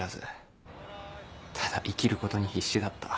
オーライただ生きることに必死だった。